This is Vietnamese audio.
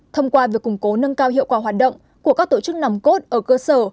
thông qua việc củng cố nâng cao hiệu quả hoạt động của các tổ chức nằm cốt ở cơ sở